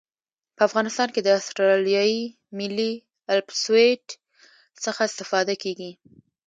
په افغانستان کې د اسټرلیایي ملي الپسویډ څخه استفاده کیږي